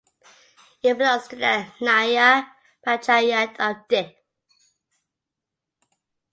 It belongs to the Nyaya panchayat of Dih.